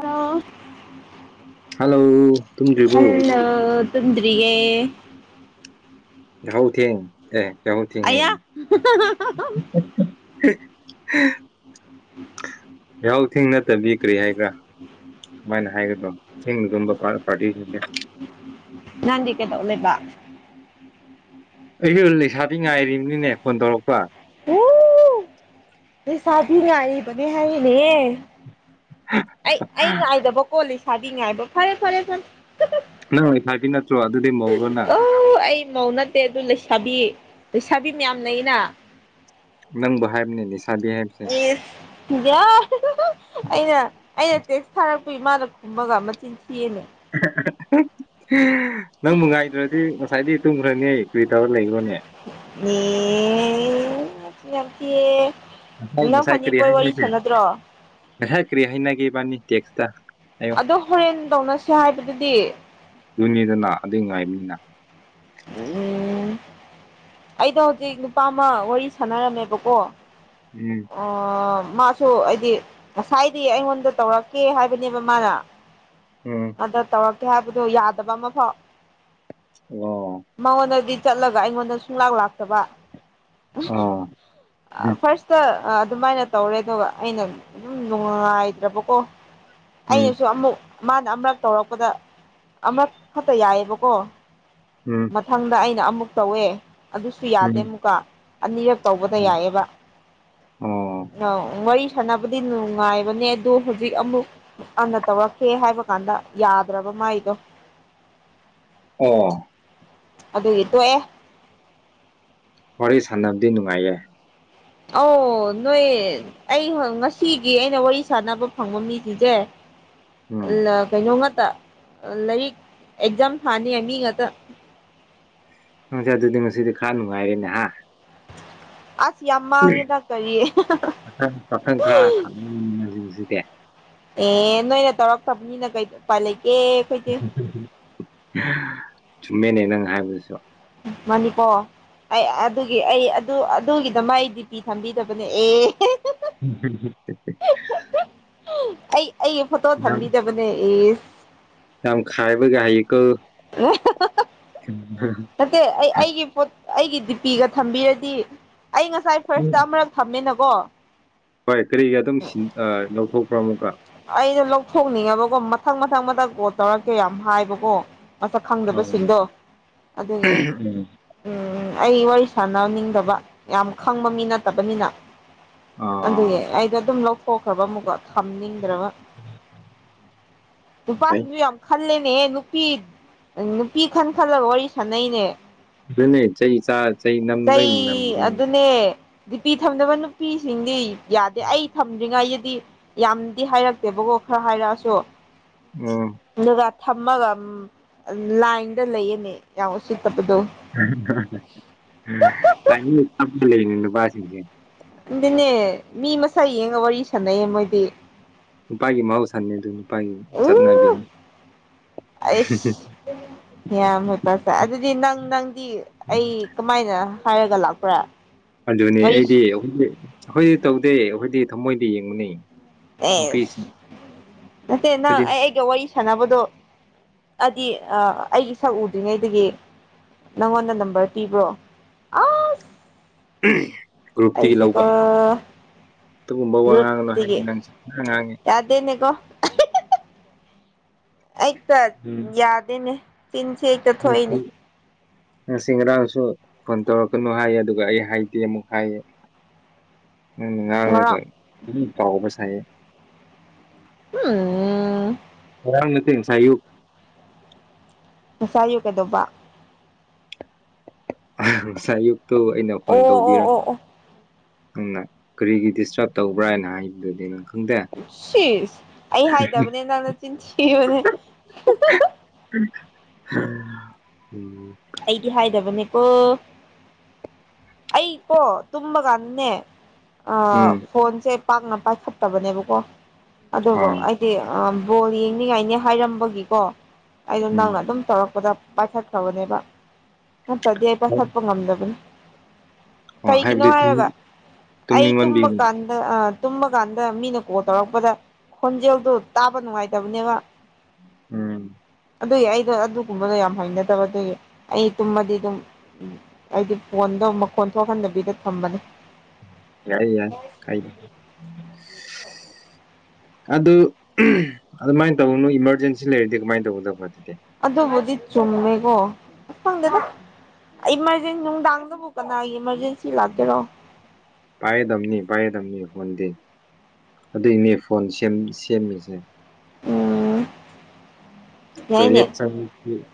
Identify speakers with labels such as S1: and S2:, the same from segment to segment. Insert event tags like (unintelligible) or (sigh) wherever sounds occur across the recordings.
S1: hello
S2: hello ꯇꯨꯝꯗ꯭ꯔꯤꯕꯣ
S1: hello ꯇꯨꯝꯗꯔꯤꯌꯦ
S2: ꯌꯥꯥꯎꯍꯧ ꯊꯦꯡ ꯑꯦ ꯌꯥꯎꯍꯧ ꯊꯦꯡ
S1: ꯑꯌꯥ
S2: ꯍꯥꯏꯅꯦ (inaudible)
S1: (unintelligible)
S2: ꯌꯥꯍꯥꯎ ꯊꯦꯡ ꯅꯠꯇꯕꯤ ꯀꯔꯤ ꯍꯥꯏꯕ꯭ꯔꯥ ꯁꯨꯃꯥꯏꯅ ꯍꯥꯏꯒꯗ꯭ꯔꯣ ꯊꯦꯡ ꯆꯨꯝꯕ ꯄꯥꯔꯇꯤꯁꯤꯡꯗꯦ
S1: ꯉꯗꯤ ꯀꯦꯗ ꯂꯩ ꯂꯩꯕ
S2: ꯑꯩꯁꯨ ꯂꯩꯁꯥꯕꯤ ꯉꯥꯏꯔꯤꯕꯅꯤꯅꯦ ꯐꯣꯟ ꯇꯧꯔꯛꯄ
S1: ꯎꯝ ꯂꯩꯁꯥꯕꯤ ꯉꯥꯏꯔꯤꯕꯅꯦ ꯍꯥꯏꯔꯤꯅꯦ ꯑꯩ ꯑꯩ ꯉꯥꯏꯗꯕ ꯀꯣꯂꯤ ꯁꯥꯥꯗꯤ ꯉ ꯍꯥꯏꯕꯣ ꯐꯔꯦ ꯐꯔꯦ ꯐ
S2: ꯅꯣꯏ ꯍꯥꯏꯕꯤ ꯅ ꯑꯗꯨꯗꯤ ꯃꯧꯔꯣ ꯅꯪ
S1: ꯑ ꯑꯩ ꯃꯧ ꯅꯠꯇꯦ ꯑꯗꯨ ꯂꯩꯁꯥꯕꯤ ꯂꯩꯁꯥꯕꯤ ꯃꯌꯥꯝ ꯂꯩꯩꯅ
S2: ꯅꯪꯕꯨ ꯍꯥꯏꯕꯅꯦ ꯅꯤꯁꯥꯕꯤ ꯍꯥꯏ
S1: ꯑꯦꯁꯗꯤ ꯑꯩꯅ ꯑꯩꯅ ꯇꯦꯛꯁ ꯊꯥꯔꯛꯄ ꯑꯩꯈꯣꯏ ꯏꯃꯥꯅ ꯀꯨꯝꯕꯒ ꯃꯇꯆꯤꯟ ꯊꯤꯑꯅꯦ
S2: ꯅꯪ ꯉꯥꯏꯗ꯭ꯔꯗꯤꯁ ꯉꯁꯥꯏꯗꯤ ꯇꯨꯝꯈ꯭ꯔꯅꯤ ꯀꯨꯏ ꯊꯥꯎꯔ ꯂꯩꯈ꯭ꯔꯣꯅꯦ
S1: ꯃꯤꯅꯁꯤ
S2: ꯉꯁꯥꯏ
S1: ꯅꯪ
S2: ꯉꯁꯥꯏ ꯀꯔꯤ
S1: ꯐꯅꯤꯕꯣꯏ ꯋꯥꯔꯤ
S2: ꯍꯥꯏꯅꯒꯦ
S1: ꯁꯥꯟꯅꯗ꯭ꯔꯣ
S2: ꯉꯁꯥꯏ ꯀꯔꯤ ꯍꯥꯏꯅꯒꯦꯕꯅꯤ ꯇꯦꯛꯁꯇ ꯑꯩꯉ
S1: ꯑꯗꯣ ꯍꯣꯔꯦꯟ ꯇꯧꯅꯁꯦ ꯍꯥꯏꯕꯗꯨꯗꯤ
S2: ꯌꯨꯅꯤꯗꯅ ꯑꯗꯨ ꯉꯥꯏꯕꯅꯤꯅ
S1: ꯎꯝ ꯑꯩꯗꯣ ꯍꯧꯖꯤꯛ ꯅꯨꯄꯥ ꯑꯃ ꯋꯥꯔꯤ ꯁꯥꯟꯅꯔꯝꯃꯦꯕꯀꯣ
S2: ꯎꯝ
S1: ꯑꯣ ꯃꯥꯁꯨ ꯍꯥꯏꯗꯤ ꯉꯁꯥꯏꯗꯤ ꯑꯩꯉꯣꯟꯗ ꯇꯧꯔꯛꯀꯦ ꯍꯥꯏꯕꯅꯦꯕ ꯃꯥꯅ
S2: ꯎꯝ
S1: ꯑꯗ ꯇꯧꯔꯛꯀꯦ ꯍꯥꯏꯕꯗꯨ ꯌꯥꯗꯕ ꯑꯃꯐꯥꯎ
S2: ꯑꯣ
S1: ꯃꯉꯣꯟꯗꯗꯤ ꯆꯠꯂꯒ ꯑꯩꯉꯣꯟꯗ ꯁꯨꯡꯂꯥꯛ ꯂꯥꯛꯇꯕ
S2: ꯑꯣ ꯎꯝ
S1: ꯐꯥꯔꯁ ꯇ ꯑꯗꯨꯃꯥꯏꯅ ꯇꯧꯔꯦ ꯑꯗꯨꯒ ꯑꯩꯅ ꯑꯗꯨꯝ ꯅꯨꯡꯉꯥꯏꯗ꯭ꯔꯕꯀꯣ
S2: ꯎꯝ
S1: ꯑꯩꯅꯁꯨ ꯑꯃꯨꯛ ꯃꯥꯅ ꯑꯃꯨꯔꯛ ꯇꯧꯔꯛꯄꯗ ꯑꯃꯨꯔꯛ ꯈꯛꯇ ꯌꯥꯏꯑꯕꯀꯣ
S2: ꯎꯝ
S1: ꯃꯊꯪꯗ ꯑꯩꯅ ꯑꯃꯨꯛ ꯇꯧꯋꯦ ꯑꯗꯨꯁꯨ ꯌꯥꯗꯦ
S2: ꯎꯝ
S1: ꯑꯃꯨꯛꯀꯥ ꯑꯅꯤꯔꯛ ꯇꯧꯕꯅ ꯌꯥꯏꯑꯕ
S2: ꯑꯣ
S1: ꯋꯥꯔꯤ ꯁꯥꯟꯅꯕ ꯅꯨꯡꯉꯥꯏꯕꯅꯦ ꯑꯗꯣ ꯍꯧꯖꯤꯛ ꯑꯃꯨꯛ ꯍꯟꯅ ꯇꯧꯔꯛ ꯍꯦ ꯍꯥꯏꯕ ꯀꯥꯟꯗ ꯌꯥꯗ꯭ꯔꯕ ꯃꯥꯏꯗꯣ
S2: ꯑꯣ
S1: ꯑꯗꯨꯒꯤ ꯇꯣꯛꯑꯦ
S2: ꯋꯥꯔꯤ ꯁꯥꯟꯅꯕꯗꯤ ꯅꯨꯡꯉꯥꯏꯌꯦ
S1: ꯑ ꯅꯣꯏ ꯑꯩ ꯉꯁꯤꯒꯤ ꯑꯩꯅ ꯋꯥꯔꯤ ꯁꯥꯟꯅꯕ ꯐꯪꯕ ꯃꯤꯁꯤꯡꯁꯦ
S2: ꯎꯝ
S1: ꯀꯩꯅꯣ ꯉꯥꯛꯇ ꯂꯥꯏꯔꯤꯛ ꯑꯦꯛꯖꯥꯝ ꯊꯥꯅꯤ ꯃꯤ ꯉꯥꯛꯇ
S2: ꯅꯪꯁꯦ ꯑꯗꯨꯗꯤ ꯉꯁꯤꯗꯤ ꯈꯔ ꯅꯨꯡꯉꯥꯏꯔꯦꯅꯦ ꯍꯥ
S1: ꯑ ꯌꯥꯝ ꯃꯥꯡꯉꯦꯗꯥꯛ ꯀꯔꯤꯌꯦ
S2: ꯄꯥꯈꯪ ꯄꯥꯈꯪ ꯈꯔ ꯁꯥꯟꯅꯃꯤꯟꯅꯁꯤꯡꯁꯤꯗꯤ
S1: ꯑꯦ ꯅꯣꯏꯅ ꯇꯧꯔꯛꯇꯕꯅꯤꯅ ꯀꯩꯗꯧ ꯄꯅꯤꯒꯤ
S2: ꯆꯨꯝꯃꯦꯅꯦ ꯅꯪ ꯍꯥꯏꯕꯗꯨꯁꯨ
S1: ꯃꯅꯤꯄꯣ ꯑꯩ ꯑꯗꯨꯒꯤ ꯑꯩ ꯑꯗꯨ ꯑꯗꯨꯒꯤꯗ ꯃꯥꯏ ꯗꯤꯇꯤ ꯊꯝꯕꯤꯗꯕꯅꯦ ꯑꯦ
S2: ꯎꯝ
S1: ꯑꯩ ꯑꯩꯒꯤ ꯐꯣꯇꯣ ꯊꯝꯕꯤꯗꯕꯅꯦ ꯑꯦ
S2: ꯌꯥꯝꯝꯈꯥꯏꯕꯨ ꯀ ꯍꯍꯤꯀ
S1: ꯎ ꯅꯠꯇꯦ ꯑꯩ ꯑꯩꯒꯤ ꯄꯣꯠ ꯑꯩꯒꯤ ꯗꯤꯄꯤꯒ ꯊꯝꯕꯤꯔꯗꯤ ꯑꯩ ꯉꯁꯥꯏ ꯐꯥꯔꯁꯇ ꯑꯃꯨꯔꯛ ꯊꯝꯃꯦꯅꯀꯣ
S2: ꯍꯣꯏ ꯀꯔꯤꯒꯤ ꯑꯗꯨꯝ ꯁꯤ ꯂꯧꯊꯣꯛꯄ꯭ꯔꯣ ꯑꯃꯨꯛꯀ
S1: ꯑꯩꯗꯣ ꯂꯧꯊꯣꯛꯅꯤꯡꯉꯕꯀꯣ ꯃꯊꯪ ꯃꯊꯪ ꯃꯊꯪ ꯀꯣꯠ ꯇꯧꯔꯛꯀꯦ ꯌꯥꯝ ꯍꯥꯏꯕꯀꯣ ꯃꯁꯛ ꯈꯪꯗꯕꯁꯤꯡꯗꯣ ꯑꯗꯨꯒꯤ ꯎꯝ ꯑꯩ ꯋꯥꯔꯤ ꯁꯥꯟꯅꯅꯤꯡꯗꯕ ꯌꯥꯝ ꯈꯪꯕ ꯃꯤ ꯅꯠꯇꯕꯅꯤꯅ
S2: ꯑꯣ
S1: ꯑꯗꯨꯒꯤ ꯑꯩꯗꯣ ꯑꯗꯨꯝ ꯂꯧꯊꯣꯛꯈ꯭ꯔꯕ ꯑꯃꯨꯛꯀꯣ ꯊꯝꯅꯤꯡꯗ꯭ꯔꯕ
S2: ꯐꯩ
S1: ꯎꯄꯥꯥꯁꯕꯤ ꯌꯥꯝ ꯈꯜꯂꯦꯅꯦꯍꯦ ꯅꯨꯄꯤ ꯅꯨꯄꯤ ꯈꯟ ꯈꯜꯂꯒ ꯋꯥꯔꯤ ꯁꯥꯟꯅꯩꯅꯦ
S2: ꯑꯗꯨꯅꯦ ꯆꯍꯤꯩ ꯆ
S1: ꯀ ꯑꯗꯨꯅꯦ ꯅꯨꯄꯤ ꯊꯝꯗꯕ ꯅꯨꯄꯤꯁꯤꯡꯗꯤ ꯌꯥꯗꯦ ꯑꯩ ꯊꯝꯗ꯭ꯔꯤꯉꯩꯗꯗꯤ ꯌꯥꯝꯗꯤ ꯍꯥꯏꯔꯛꯇꯦꯕꯀꯣ ꯈꯔ ꯍꯥꯏꯔꯛꯑꯁꯨ
S2: ꯎꯝ
S1: ꯑꯗꯨꯒ ꯊꯝꯃꯒ ꯂꯥꯏꯟꯗ ꯂꯩꯌꯦꯅꯦ ꯌꯥꯝ ꯎꯁꯤꯠꯇꯕꯗꯣ
S2: ꯄꯥꯁꯤꯦ
S1: ꯑꯗꯨꯅꯦ ꯃꯤ ꯃꯁꯛ ꯌꯦꯡꯉꯒ ꯋꯥꯔꯤ ꯁꯥꯟꯅꯩꯌꯦ ꯃꯣꯏꯗꯤ
S2: ꯅꯨꯄꯥꯒꯤ ꯃꯍꯧꯁꯥꯅꯤ ꯑꯗꯨ ꯅꯨꯄꯥꯒꯤ
S1: ꯎ
S2: ꯆꯠꯅꯕꯤꯅꯤ
S1: ꯑꯩꯁ ꯌꯥꯝꯅ ꯇꯖꯥꯏ ꯑꯗꯨꯗꯤ ꯅꯪ ꯅꯪꯗꯤ ꯑꯩ ꯀꯃꯥꯏꯅ ꯍꯥꯏꯔꯒ ꯂꯥꯛꯄ꯭ꯔꯥ
S2: ꯑꯗꯨꯅꯦ
S1: ꯋꯥꯔꯤ
S2: ꯑꯩꯗꯤ ꯑꯩꯈꯣꯏꯗꯤ ꯑꯩꯈꯣꯏꯗꯤ ꯇꯧꯗꯦ ꯑꯩꯈꯣꯏꯗꯤ ꯊꯃꯣꯏꯗ ꯌꯦꯡꯕꯨꯅꯦ
S1: ꯑꯦꯁ ꯅꯠꯇꯦ ꯅꯪ
S2: ꯑꯩꯈꯣꯏꯗꯤ
S1: ꯑꯩ ꯑꯩꯒ ꯋꯥꯔꯤ ꯁꯥꯟꯅꯕꯗꯣ ꯑꯗꯨꯗꯤ ꯑꯩꯒꯤ ꯁꯛ ꯎꯗ꯭ꯔꯤꯉꯩꯗꯒꯤ ꯅꯪꯉꯣꯟꯗ ꯅꯝꯕꯔ ꯄꯤꯕ꯭ꯔꯣ ꯑꯁ
S2: ꯒ꯭ꯔꯨꯞꯇꯒꯤ ꯂꯧꯕ
S1: ꯑꯩꯁꯦꯀꯣ
S2: ꯑꯗꯨꯒꯨꯝꯕ ꯋꯥ ꯉꯥꯡꯅꯣ ꯍꯥꯏꯌꯦ
S1: ꯒ꯭ꯔꯨꯞꯇꯒꯤ
S2: ꯅꯪ ꯉꯥꯡꯉꯤ
S1: ꯌꯥꯗꯦꯅꯦꯀꯣ ꯍꯛꯇ ꯌꯥꯗꯦꯅꯦ ꯆꯤꯟꯁꯦ ꯍꯦꯛꯇ ꯊꯣꯛꯏꯅꯦ
S2: ꯎꯝ ꯉꯁꯤ ꯉꯔꯥꯡꯁꯨ ꯐꯣꯟ ꯇꯧꯔꯛꯀꯅꯨ ꯍꯥꯏꯌꯦ ꯑꯗꯨꯒ ꯑꯩ ꯍꯥꯏꯗꯦ ꯑꯃꯨꯛ ꯍꯥꯏꯌꯦ
S1: (unintelligible)
S2: ꯅꯪꯅ ꯉꯥꯡꯔꯒ
S1: ꯉꯔꯥꯡ
S2: ꯀꯥꯎꯕ ꯁꯥꯏ
S1: ꯎꯝ
S2: ꯍꯔꯥꯎ ꯅ ꯁꯥꯏꯌꯨ
S1: ꯁꯥꯏꯌꯨ ꯀꯩꯗꯣꯕ
S2: ꯉꯁꯥꯏ ꯑꯌꯨꯛꯇꯨ ꯑꯩꯅ ꯐꯣꯟ
S1: ꯑꯣ ꯑꯣ
S2: ꯇꯧꯕꯤꯔꯝ
S1: ꯑꯣ ꯑꯣ
S2: ꯅꯪꯅ ꯀꯔꯤꯒꯤ ꯗꯤꯁꯇꯔꯕ ꯇꯧꯕ꯭ꯔꯥ ꯍꯥꯏꯅ ꯍꯥꯏꯕꯗꯨꯗꯤꯪ ꯈ
S1: ꯁꯤꯁ ꯑꯩ ꯍꯥꯏꯗꯕꯅꯦ ꯅꯪꯅ ꯆꯤꯟꯊꯤꯕꯅꯦ
S2: (unintelligible)
S1: ꯑꯩꯗꯤ ꯍꯥꯏꯗꯕꯅꯦꯀꯣ ꯑꯩꯀꯣ ꯇꯨꯝꯕ ꯀꯥꯟꯅꯦ
S2: ꯎꯝ
S1: ꯐꯣꯟꯁꯦ ꯄꯥꯛꯅ ꯄꯥꯏꯈꯠꯇꯕꯅꯦꯕꯀꯣ ꯑꯗꯨꯕꯨ
S2: ꯑꯥ
S1: ꯑꯩ ꯍꯥꯏ ꯕꯣꯜ ꯌꯦꯡꯅꯤꯡꯉꯥꯏꯅꯦ ꯍꯥꯏꯔꯝꯕꯒꯤꯀꯣ ꯑꯩꯗꯣ
S2: ꯎꯝ
S1: ꯅꯪꯅ ꯑꯗꯨꯝ ꯇꯧꯔꯛꯄꯗ ꯇꯕꯅꯦꯕ ꯅꯇꯥꯗꯤ ꯑꯩꯕ ꯁꯠꯄ ꯉꯝꯖꯒꯅꯤ
S2: ꯑꯣ
S1: ꯀꯩꯒꯤꯅꯣ
S2: ꯍꯥꯏꯕꯗꯤ
S1: ꯍꯥꯏꯔꯒ ꯑꯩ
S2: ꯇꯨꯝꯅꯤꯡꯃꯟꯕꯤ
S1: ꯇꯨꯝꯕ ꯀꯥꯟ ꯑ ꯇꯨꯝꯕ ꯀꯥꯟꯗ ꯃꯤꯅ ꯀꯣꯜ ꯇꯧꯔꯛꯄꯗ ꯈꯣꯟꯖꯦꯜꯗꯨꯣ ꯇꯥꯕ ꯅꯨꯡꯉꯥꯏꯇꯕꯅꯦꯕ
S2: ꯎꯝ
S1: ꯑꯗꯨꯏꯒꯤ ꯑꯩꯗꯣ ꯑꯗꯨꯒꯨꯝꯕꯗꯣ ꯌꯥꯝ ꯍꯩꯅꯗꯕ ꯑꯗꯨꯏꯒꯤ ꯑꯩ ꯇꯨꯝꯃꯗꯤ ꯑꯗꯨꯝ ꯑꯩꯗꯤ ꯐꯣꯟꯗꯣ ꯃꯈꯣꯟ ꯊꯣꯛꯍꯟꯗꯕꯤꯗ ꯊꯝꯕꯅꯤ
S2: ꯌꯥꯏ-ꯌꯥꯏ ꯀꯥꯏꯗꯦ
S1: (inaudible)
S2: ꯑꯗꯨ ꯑꯗꯨꯃꯥꯏꯅ ꯇꯧꯅꯨ ꯏꯃꯥꯔꯖꯦꯟꯁꯤ ꯂꯩꯔꯗꯤ ꯀꯃꯥꯏꯅ ꯇꯧꯒꯗꯕ ꯑꯗꯨꯗꯤ
S1: ꯑꯗꯨꯕꯨꯗꯤ ꯆꯨꯝꯃꯦꯀꯣ ꯑꯁ ꯈꯪꯗꯦꯗ ꯑꯩ ꯏꯃꯥꯔꯖꯦꯟ ꯅꯨꯡꯗꯥꯡꯗꯕꯨ ꯀꯅꯥꯒꯤ ꯏꯃꯥꯔꯖꯦꯟꯁꯤ ꯂꯥꯛꯀꯦꯔꯣ
S2: ꯄꯥꯏꯒꯗꯝꯅꯤ ꯄꯥꯏꯒꯗꯝꯕꯅꯤ ꯐꯣꯟꯗꯤ ꯑꯗꯨꯏꯅꯦ ꯐꯣꯟ ꯁꯦꯝꯃꯤꯁꯦ
S1: ꯎꯝ ꯌꯥꯏꯅꯦ
S2: ꯇꯣꯏꯂꯦꯠ ꯆꯪ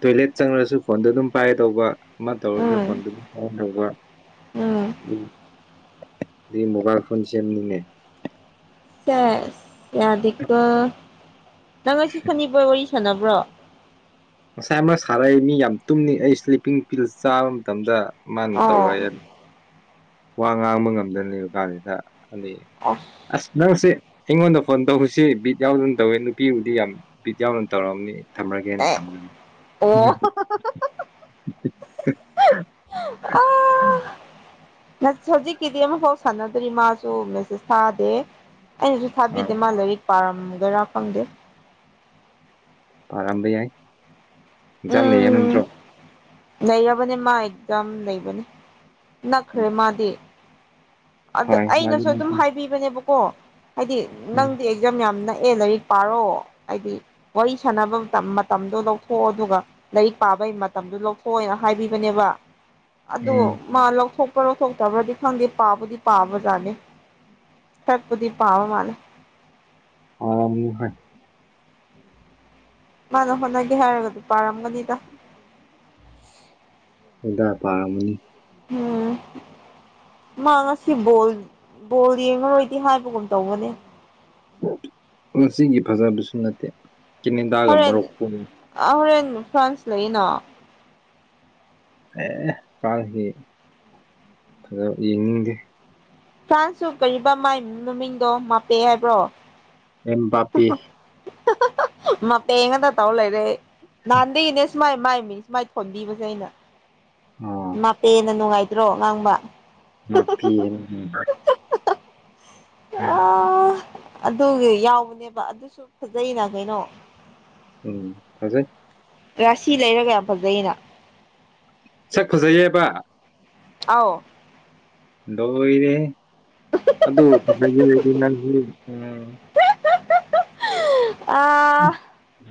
S2: ꯇꯣꯏꯂꯦꯠ ꯆꯪꯉ꯭ꯔꯁꯨ ꯐꯣꯟꯗꯣ ꯑꯗꯨꯝ ꯄꯥꯏꯒꯦ ꯇꯧꯕ ꯑꯃ ꯇꯧꯔꯁꯨ
S1: ꯎꯝ
S2: ꯐꯣꯟꯗꯨꯗꯤ (inaudible)
S1: ꯎꯝ
S2: ꯑꯗꯨ ꯃꯣꯕꯥꯏꯜ ꯐꯣꯟ ꯁꯦꯝꯕꯅꯤꯅꯦ
S1: ꯁꯦꯁ ꯌꯥꯗꯤꯀꯣ ꯅꯪ ꯉꯁꯤ (unintelligible) ꯋꯥꯔꯤ ꯁꯥꯟꯅꯕ꯭ꯔꯣ
S2: ꯉꯁꯥꯏ ꯑꯃ ꯁꯥꯔꯛꯏ ꯃꯤ ꯌꯥꯝ ꯇꯨꯝꯅꯤ ꯑꯩ ꯏꯁ꯭ꯂꯤꯞꯄꯤꯡ ꯄꯤꯜ ꯆꯥꯕ ꯃꯇꯝꯗ ꯃꯥꯅ
S1: ꯑꯣ
S2: ꯇꯧꯔꯛꯦꯅ ꯋꯥ ꯉꯥꯡꯕ ꯉꯝꯗꯅꯦꯕ ꯀꯥꯟꯁꯤꯗ ꯑꯩ
S1: ꯑꯣꯏ
S2: ꯑꯁ ꯅꯪꯁꯦ ꯑꯩꯉꯣꯟꯗ ꯐꯣꯟ ꯇꯧꯁꯤ ꯕꯤꯠ ꯌꯥꯎꯗꯅ ꯇꯧꯋꯦ ꯅꯨꯄꯤꯕꯨꯗꯤ ꯌꯥꯝ ꯕꯤꯠ ꯌꯥꯎꯅ ꯇꯧꯔꯝꯅꯤ ꯊꯝꯃꯒꯦꯅ
S1: ꯑꯦ
S2: ꯊꯝ
S1: ꯑꯣ ꯑꯥ ꯍꯧꯖꯤꯛꯀꯤꯗꯤ ꯑꯃꯐꯥꯎ ꯁꯥꯟꯅꯗ꯭ꯔꯤ ꯃꯥꯁꯨ ꯃꯦꯁꯦꯁ ꯊꯥꯗꯦ ꯑꯩꯅꯁꯨ
S2: ꯑ
S1: ꯊꯥꯕꯤꯗꯦ ꯃꯥ ꯂꯥꯏꯔꯤꯛ ꯄꯥꯔꯝꯒꯦꯔꯥ ꯐꯪꯗꯦ
S2: ꯄꯥꯔꯝꯕ ꯌꯥꯏ ꯑꯦꯛꯖꯥꯝ ꯂꯩꯕꯅꯠꯇ꯭ꯔꯣ
S1: ꯂꯩꯔꯕꯅꯤ ꯃꯥ ꯑꯦꯛꯖꯥꯝ ꯂꯩꯕꯅꯤ ꯅꯛꯈ꯭ꯔꯦ ꯃꯥꯗꯤ ꯑꯗ
S2: ꯍꯣꯏ ꯃꯥꯗꯤ
S1: ꯑꯩꯅꯁꯨ ꯑꯗꯨꯝ
S2: ꯎꯝ
S1: ꯍꯥꯏꯕꯤꯕꯅꯦꯕꯀꯣ ꯍꯥꯏꯗꯤ ꯅꯪꯗꯤ ꯖꯝ ꯌꯥꯝ ꯅꯛꯑꯦ ꯂꯥꯏꯔꯤꯛ ꯄꯥꯔꯣ ꯍꯥꯏꯗꯤ ꯋꯥꯔꯤ ꯁꯥꯟꯅꯕ ꯃꯇꯝ-ꯃꯇꯝꯗꯣ ꯂꯧꯊꯣꯛꯑꯣ ꯑꯗꯨꯒ ꯂꯥꯏꯔꯤꯛ ꯄꯥꯕꯒꯤ ꯃꯇꯝꯗꯣ ꯂꯧꯊꯣꯛ ꯍꯣꯏꯅ ꯍꯥꯏꯕꯤꯕꯅꯦꯕ ꯑꯗꯣ
S2: ꯎꯝ
S1: ꯃꯥ ꯂꯧꯊꯣꯛ ꯂꯣꯊꯣꯛꯇꯕ꯭ꯔꯗꯤ ꯈꯥꯗꯦ ꯄꯥꯕꯗꯤ ꯄꯥꯕꯖꯅꯦ ꯈ꯭ꯔꯕꯨꯗꯤ ꯄꯥꯕ ꯃꯜꯂꯦ
S2: ꯄꯔ꯭ꯝꯅꯤ ꯍꯣꯏ
S1: ꯃꯥꯅ ꯍꯣꯠꯅꯒꯦ ꯍꯥꯏꯔꯒꯗꯤ ꯄꯥꯔꯝꯒꯅꯤꯗ
S2: ꯍꯣꯏꯗꯥ ꯄꯥꯔꯝꯃꯅꯤ
S1: ꯎꯝ ꯃꯥ ꯉꯁꯤ ꯕꯣꯜ-ꯕꯣꯜ ꯌꯦꯡꯉꯔꯣꯏꯗꯤ ꯍꯥꯏꯕꯒꯨꯝ ꯇꯧꯕꯅꯦ
S2: ꯉꯁꯤꯒꯤ ꯐꯖꯕꯁꯨ ꯅꯠꯇꯦ ꯀꯦꯅꯦꯗꯥꯒ ꯃꯔꯨꯛꯀꯣ
S1: ꯑꯣꯔꯦꯟ ꯐ꯭ꯔꯥꯟꯁ ꯂꯩꯅ
S2: ꯑꯦ ꯐꯔ꯭ꯟꯁꯒꯤ ꯐꯖ ꯌꯦꯡꯅꯤꯡꯗꯦ
S1: ꯐ꯭ꯔꯥꯟꯁꯁꯨ ꯀꯩ ꯃꯥꯏ ꯃꯃꯤꯡꯗꯣ ꯃꯥꯄꯦ ꯍꯥꯏꯕ꯭ꯔꯣ
S2: ꯑꯦꯝꯕꯥꯕꯦ
S1: ꯃꯄꯦ ꯉꯇ ꯇꯧ ꯂꯩꯔꯦ ꯅꯥꯥꯟꯗꯒꯤ ꯏꯅꯦ ꯃꯥꯏ-ꯃꯥꯏ ꯃꯤꯁ ꯃꯥꯏ ꯊꯣꯟꯕꯤꯕꯁꯦ ꯑꯩꯅ
S2: ꯑꯣ
S1: ꯍꯥꯞꯄꯦꯅ ꯅꯨꯡꯉꯥꯏꯗ꯭ꯔꯣ ꯉꯥꯡꯕ
S2: ꯃꯥꯐꯤ ꯎꯝ
S1: ꯑ ꯑꯗꯨꯒꯤ ꯌꯥꯎꯕꯅꯦꯕ ꯑꯗꯨꯁꯨ ꯐꯖꯅ ꯀꯩꯅꯣ
S2: ꯎꯝ ꯊꯖꯩ
S1: ꯔꯥꯁꯤ ꯂꯩꯔꯒ ꯌꯥꯝ ꯐꯖꯩꯅ
S2: ꯁꯛ ꯐꯖꯩꯌꯦꯕ
S1: ꯑꯥꯎ
S2: ꯗꯣ ꯏꯅꯦ ꯑ
S1: ꯑ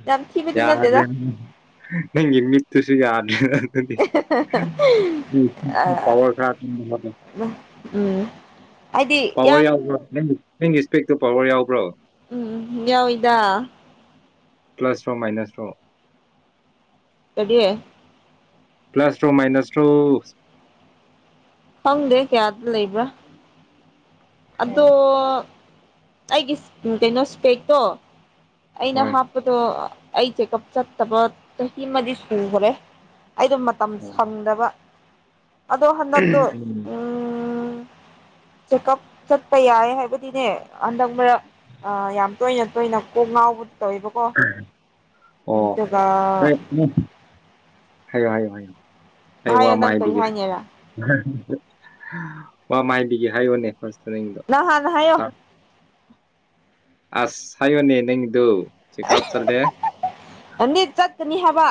S1: ꯌꯥꯝ ꯊꯤꯃꯦ ꯇꯅꯗꯦꯗ
S2: ꯅꯪ ꯏꯃꯤꯠꯇ ꯁꯤ ꯌꯥ ꯎꯝ ꯄꯋꯥꯔ (unintelligible)
S1: ꯎꯝ ꯍꯥꯏꯗꯤ
S2: ꯄꯋꯥꯔ
S1: ꯌꯥꯝ
S2: ꯌꯥꯎꯕ꯭ꯔꯣ ꯅꯪ ꯅꯪꯒꯤ ꯏꯁꯄꯦꯛꯇꯣ ꯄꯋꯥꯔ ꯌꯥꯎꯕ꯭ꯔꯣ
S1: ꯎꯝ ꯌꯥꯎꯗ
S2: ꯄ꯭ꯂꯁ꯭ꯔꯣ ꯃꯥꯏꯅꯥꯁ ꯔꯣ
S1: ꯀꯔꯤ
S2: ꯄ꯭ꯂꯁ ꯇ꯭ꯔꯣ ꯃꯥꯏꯅꯁ ꯇꯣ
S1: ꯐꯪꯗꯦ ꯀꯌꯥꯗ ꯂꯩꯕ꯭ꯔꯥ ꯑꯗꯣ
S2: ꯑꯣ
S1: ꯑꯩꯒꯤ ꯀꯩꯅꯣ ꯏꯁꯄꯦꯛꯇꯣ ꯑꯩꯅ
S2: ꯍꯣꯏ
S1: ꯍꯥꯞ ꯗꯣ ꯑꯩ ꯆꯦꯛꯑꯞ ꯆꯠꯇꯕ ꯆꯍꯤ ꯑꯃꯗꯤꯗꯤ ꯁꯨꯈ꯭ꯔꯦ ꯑꯩꯗꯣ ꯇ
S2: ꯑꯣ
S1: ꯁꯝꯗꯕ ꯑꯗꯣ ꯍꯟꯗꯛꯇꯣ ꯎꯝ ꯆꯦꯛꯑꯞ ꯆꯠꯄ ꯌꯥꯏ ꯍꯥꯏꯕꯗꯤꯅꯦ ꯍꯟꯗꯛ ꯃꯔꯛ ꯑ ꯌꯥꯝ ꯇꯣꯏꯅ ꯇꯣꯏꯅ ꯀꯣꯛ ꯉꯥꯎꯕ ꯇꯧꯋꯦꯕꯀꯣ
S2: ꯑꯣ
S1: ꯑꯗꯨꯒ
S2: ꯎ ꯍꯥꯏꯌꯣ ꯍꯥꯏꯌꯣ ꯍꯥꯏꯌꯨ ꯑꯩ ꯋꯥ
S1: ꯍꯥꯏꯌꯣ
S2: ꯃꯥ
S1: ꯅꯪ ꯀꯔꯤ
S2: ꯍꯥꯏꯕꯤꯒꯦ
S1: ꯍꯥꯏꯅꯤꯔ
S2: ꯋꯥ ꯃꯥꯏꯕꯤꯒꯦ ꯍꯥꯏꯌꯣꯅꯦ ꯐꯥꯔꯁꯇ ꯅꯗꯣ
S1: ꯅꯪ ꯍꯥꯟꯅ ꯍꯥꯏꯌꯣ
S2: ꯑꯁ ꯁꯌꯣꯅꯦ ꯅꯪꯗꯨ ꯆꯦꯀꯞ ꯆꯠꯂꯦ
S1: ꯅꯤꯠ ꯆꯠꯀꯅꯤ ꯍꯥꯏꯕ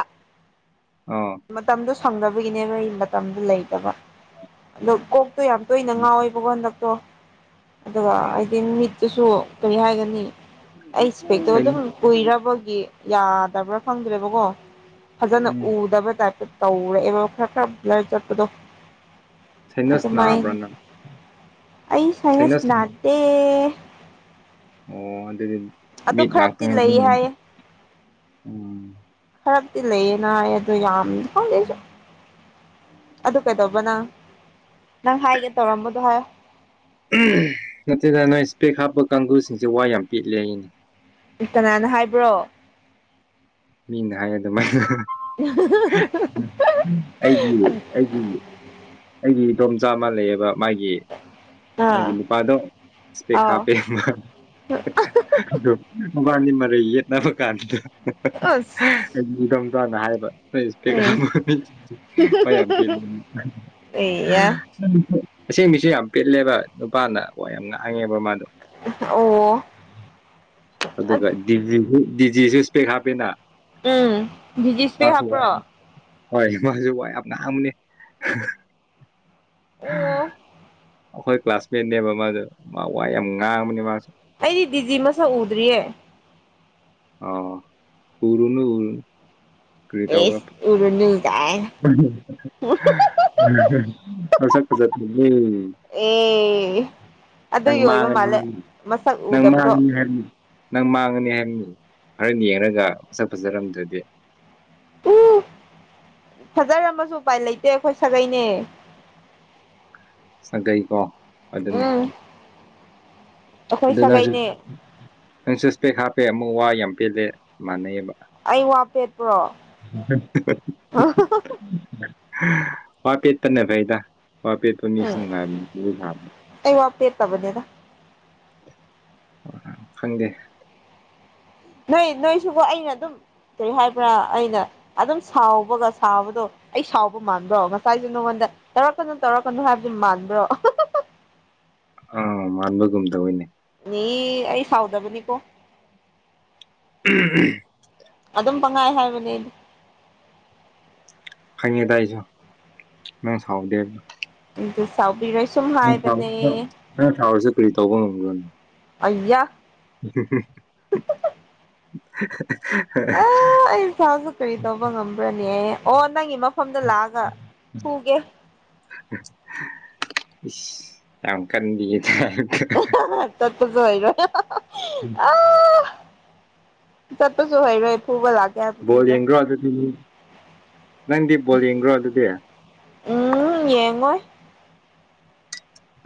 S2: ꯑ
S1: ꯃꯇꯝꯗꯣ ꯁꯪꯗꯕꯒꯤꯅꯦꯕꯣꯏ ꯃꯇꯝꯗꯣ ꯂꯩꯇꯕ ꯑꯗꯣ ꯀꯣꯛꯇꯣ ꯌꯥꯝ ꯇꯣꯏꯅ ꯉꯥꯎꯋꯦꯕꯣ ꯍꯟꯗꯛꯇꯣ ꯑꯗꯨꯒ
S2: ꯑꯣ
S1: ꯍꯥꯏꯗꯤ ꯃꯤꯠ ꯑꯗꯨꯁꯨ ꯀꯔꯤ ꯍꯥꯏꯒꯅꯤ ꯑꯩ ꯏꯁꯄꯦꯛꯇꯣ ꯑꯗꯨꯝ
S2: ꯁꯥꯏꯟ
S1: ꯎꯏꯔꯕꯒꯤ ꯌꯥꯗꯕ꯭ꯔꯥ ꯐꯪꯗ꯭ꯔꯦꯕꯀꯣ ꯐꯖꯅ
S2: ꯎꯝ
S1: ꯎꯗꯕ ꯇꯧꯔꯛꯑꯦꯕ ꯈꯔ ꯈꯔ ꯆꯠꯄꯗꯣ
S2: ꯁꯥꯏꯅꯁ
S1: ꯑꯗꯨꯃꯥꯏ
S2: ꯅꯥꯕ꯭ꯔꯥ ꯅꯪ
S1: ꯑꯩ ꯁꯥꯏꯅꯥꯁ
S2: ꯁꯥꯏꯅꯁ
S1: ꯅꯥꯗꯦ
S2: ꯑꯣ ꯑꯗꯨꯗꯤ
S1: ꯑꯗꯨ
S2: ꯃꯤꯠ ꯉꯥꯛꯇ
S1: ꯈꯔꯛꯇꯤ ꯂꯩ ꯍꯥꯏꯌꯦ
S2: ꯎꯝ
S1: ꯈꯔꯗꯤ ꯂꯩꯌꯦꯅ ꯑꯩ ꯑꯗꯣ ꯌꯥꯝ ꯈꯣꯂꯦꯁꯨ ꯑꯗꯨ ꯀꯩꯗꯧꯕ ꯅꯪ ꯅꯪ ꯍꯥꯏꯒꯦ ꯇꯧꯔꯝꯕꯗꯣ ꯍꯥꯏ
S2: ꯅꯠꯇ꯭ꯔꯒ ꯅꯣꯏ ꯏꯁꯄꯦꯛ ꯍꯥꯞꯄ ꯀꯥꯡꯒꯁꯤꯡꯁꯦ ꯋꯥ ꯌꯥꯝ ꯄꯤꯠꯂꯤ ꯑꯩꯅꯤ
S1: ꯀꯅꯥꯅ ꯍꯥꯏꯕ꯭ꯔꯣ
S2: ꯃꯤꯅ ꯍꯥꯏꯌꯦ ꯑꯗꯨꯃꯥꯏꯅ
S1: (inaudible)
S2: ꯑꯩꯒꯤ ꯑꯩꯒꯤ ꯑꯩꯗꯤ ꯏꯇꯣꯝꯆꯥ ꯃꯥꯜ ꯂꯩꯑꯦꯕ ꯃꯥꯒꯤ
S1: ꯑꯥ
S2: ꯃꯥꯒꯤ ꯅꯨꯄꯥꯗꯣꯄꯦꯛ
S1: ꯑꯥꯎ
S2: ꯍꯥꯄꯦ ꯕꯥꯅꯤ ꯃꯔꯩ ꯌꯦꯠꯅꯕ ꯀꯥꯟꯗ
S1: ꯑꯁ
S2: ꯑꯩ ꯅꯤꯡ ꯆꯥꯅ ꯍꯥꯏꯕ ꯅ ꯏꯁꯄꯦꯛ
S1: ꯎꯝ
S2: ꯍꯥꯄ ꯌꯥꯝ
S1: ꯑꯦꯌꯥ
S2: ꯑꯁꯦꯡꯕꯤꯁꯨ ꯌꯥꯝ ꯄꯤꯜꯂꯦꯕ ꯅꯨꯄꯥꯅ ꯋꯥ ꯌꯥꯝ ꯉꯥꯡꯉꯦꯕ ꯃꯥꯗꯣ
S1: ꯑꯣ
S2: ꯑꯗꯨꯒꯗꯤꯁꯨ ꯗꯤꯖꯤꯁꯨ ꯏꯁꯄꯦꯛ ꯍꯥꯞꯄꯦꯅ
S1: ꯎꯝ ꯕꯤꯖꯤꯁꯄꯦ
S2: ꯃꯥꯁꯨ ꯋꯥ
S1: ꯍꯥꯄ꯭ꯔꯣ
S2: ꯍꯣꯏ ꯃꯥꯁꯨꯨ ꯑꯅꯝꯅꯤ ꯑ (unintelligible)
S1: ꯑꯣ
S2: ꯑꯩꯈꯣꯏ ꯀ꯭ꯂꯥꯁꯃꯦꯠꯅꯦꯕ ꯃꯥꯗꯣ ꯃꯥ ꯋꯥ ꯌꯥꯝ ꯉꯥꯡꯕꯅꯤ ꯃꯥꯁꯨ
S1: ꯑꯩꯗꯤ ꯗꯤꯖꯤ ꯃꯁꯛ ꯎꯗ꯭ꯔꯤꯌꯦ
S2: ꯑ ꯎꯨꯔꯨꯅꯨ ꯎꯨꯔꯨ
S1: ꯑꯦꯁ ꯎꯔꯨꯅꯨ ꯀꯥꯏꯅ
S2: ꯀꯔꯤ ꯇꯧꯕꯔꯥ ꯐꯖꯗꯦꯍꯦ
S1: ꯑꯦ
S2: ꯅꯪ
S1: ꯑꯗꯨꯒꯤ ꯑꯣꯏꯕ
S2: ꯃꯥꯉ
S1: ꯃꯥꯜꯂꯦ
S2: ꯍꯥꯏ
S1: ꯃꯁꯛ
S2: ꯅꯪ
S1: ꯎꯗꯕꯗꯣ
S2: ꯃꯥꯅꯤ ꯍꯥꯏꯃꯤ ꯅꯪ ꯃꯥꯡꯉꯅꯤ ꯍꯥꯏꯕꯅꯤ ꯈꯔ ꯌꯦꯡꯉꯒꯖꯠ ꯐꯖꯔꯝꯗ꯭ꯔꯗꯤ
S1: ꯎ ꯐꯖꯔꯝꯕꯁꯨ ꯎꯄꯥꯏ ꯂꯩꯇꯦ ꯑꯩꯈꯣꯏ ꯁꯥꯒꯩꯅꯦ
S2: ꯁꯒꯩꯀꯣ
S1: ꯎꯝ ꯑꯩꯈꯣꯏ
S2: ꯑꯗꯨꯗ ꯅꯪꯁꯨ
S1: ꯁꯥꯒꯩꯅꯦ
S2: ꯅꯪꯁꯨ ꯏꯁꯄꯦꯛ ꯍꯥꯞꯄꯦ ꯑꯃꯨꯛ ꯋꯥ ꯌꯥꯝ ꯄꯦꯜꯂꯦ ꯃꯥꯟꯅꯩꯑꯕ
S1: ꯑꯩ ꯋꯥ ꯄꯦꯠꯄ꯭ꯔꯣ
S2: (inaudible) ꯋꯥ ꯄꯦꯠꯄꯅ ꯐꯩꯗ ꯋꯥ ꯄꯦꯠꯄ ꯃꯤꯁꯤ ꯅꯨꯡꯉꯥꯏꯕꯅꯤ ꯁꯥꯕꯅꯤ
S1: ꯑ ꯋꯥ ꯄꯦꯠꯇꯕꯅꯦꯗ
S2: ꯍꯣꯏ ꯈꯪꯗꯦ
S1: ꯅꯣꯏ ꯅꯣꯏꯁꯨꯀꯣ ꯑꯩꯅ ꯑꯗꯨꯝ ꯀꯔꯤ ꯍꯥꯏꯕ꯭ꯔꯥ ꯑꯩꯅ ꯑꯗꯨꯝ ꯁꯥꯎꯕꯒ ꯁꯕꯗꯣ ꯑꯩ ꯁꯥꯎꯕ ꯃꯥꯟꯕ꯭ꯔꯣ ꯉꯁꯥꯏꯁꯨ ꯅꯉꯣꯟꯗ ꯇꯧꯔꯛꯀꯅꯨ ꯇꯧꯔꯛꯀꯅꯨ ꯍꯥꯏꯕꯗꯨ ꯃꯥꯟꯕ꯭ꯔꯣ
S2: ꯑ ꯃꯥꯟꯕꯒꯨꯝꯗꯅꯦ
S1: ꯃꯤ ꯑꯩ ꯁꯥꯎꯗꯕꯅꯤꯀꯣ
S2: ꯎꯝ ꯎꯝ
S1: ꯑꯗꯨꯝ ꯄꯪꯉꯥꯏ ꯍꯥꯏꯕꯅꯦꯗꯤ
S2: ꯐꯉꯦꯗꯥꯏꯁꯨ ꯅꯪ ꯁꯥꯎꯗꯦ
S1: ꯑꯗꯨ ꯆꯥꯎꯕꯤꯔꯣꯏ ꯁꯨꯝ ꯍꯥꯏꯕꯅꯦ
S2: ꯅꯩꯅ ꯁꯥꯎꯔꯁꯨ ꯀꯔꯤ ꯇꯧꯕ ꯉꯝꯒ꯭ꯔꯅ
S1: ꯑꯌꯥ ꯑꯥ
S2: (inaudible)
S1: ꯑꯩ ꯏꯁꯥꯁꯨ ꯀꯔꯤ ꯇꯧꯕ ꯉꯝꯕ꯭ꯔꯅꯦ ꯑꯣ ꯅꯪꯒꯤ ꯃꯐꯝꯗ ꯂꯥꯛꯑꯒ ꯍꯨꯒꯦ
S2: ꯌꯥꯝ ꯀꯗꯤꯗ
S1: ꯠꯇꯠꯁꯨ ꯑꯣꯏꯔ ꯆꯠ ꯄꯁꯨ ꯍꯥꯏꯔꯦ ꯐꯨꯕ ꯂꯥꯛ
S2: ꯕꯣꯜ ꯌꯦꯡꯗꯔꯣ ꯑꯗꯨꯗꯤ ꯅꯪꯗꯤ ꯕꯣꯜ ꯌꯦꯡꯗꯔꯣ ꯑꯗꯨꯗꯤ
S1: ꯎꯝ ꯌꯦꯡꯉꯣꯏ
S2: (inaudible)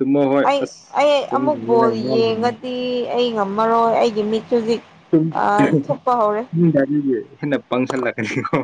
S1: ꯑꯩ
S2: ꯑꯁ
S1: ꯑꯩ ꯑꯃꯨꯛ
S2: ꯇꯨꯝꯈꯤꯅꯤ
S1: ꯕꯣꯜ
S2: ꯅꯪ
S1: ꯌꯦꯡꯉꯗꯤ ꯑꯩ ꯉꯝꯃꯔꯣꯏ ꯑꯩꯒꯤ ꯃꯤꯠꯁꯨ ꯍꯧꯖꯤꯛ ꯑꯥ ꯊꯨꯞꯄ ꯍꯧꯔꯦ
S2: ꯒꯥꯔꯤꯁꯦ ꯍꯦꯟꯅ ꯄꯥꯡꯁꯜꯂꯛꯀꯅꯤꯀꯣ